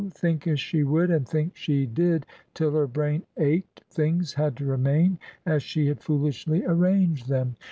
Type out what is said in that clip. Think as she would and think she did till her brain ached things had to remain as she had foolishly arranged them.